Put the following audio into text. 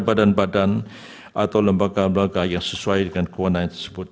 badan badan atau lembaga lembaga yang sesuai dengan kewenangan tersebut